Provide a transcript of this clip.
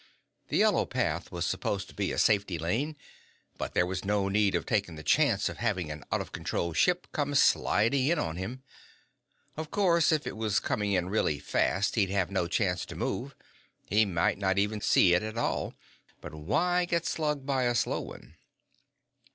The yellow path was supposed to be a safety lane, but there was no need of taking the chance of having an out of control ship come sliding in on him. Of course, if it was coming in really fast, he'd have no chance to move; he might not even see it at all. But why get slugged by a slow one?